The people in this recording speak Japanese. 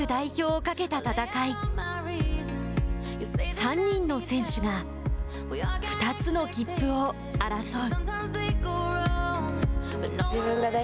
３人の選手が２つの切符を争う。